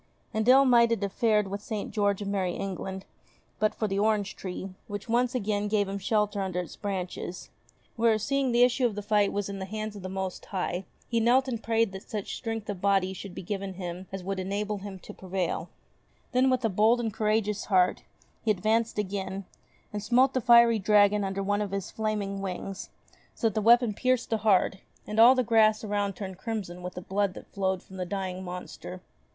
And ill might it have fared with St. George of Merrie England but for the orange tree, which once again gave him shelter under its branches, where, seeing the issue of the fight was in the Hands of the Most High, he knelt and prayed that such strength of body should be given him as would enable him to prevail. ST. GEORGE OF MERRIE ENGLAND 7 Then with a bold and courageous heart, he advanced again, and smote the fiery dragon under one of his flaming wings, so that the weapon pierced the heart, and all the grass around turned crimson with the blood that flowed from the dying monster.